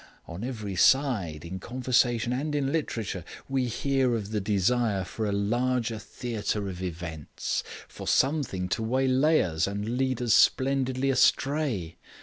On every side, in conversation and in literature, we hear of the desire for a larger theatre of events for something to waylay us and lead us splendidly astray.